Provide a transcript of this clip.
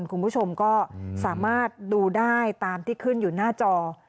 คุณผู้ชมก็สามารถดูได้ตามที่ขึ้นอยู่หน้าจอ